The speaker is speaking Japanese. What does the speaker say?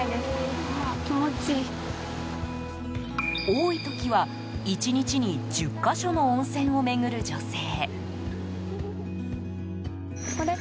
多い時は、１日に１０か所の温泉を巡る女性。